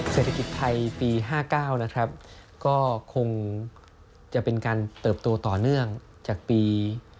เศรษฐกิจไทยปี๕๙นะครับก็คงจะเป็นการเติบโตต่อเนื่องจากปี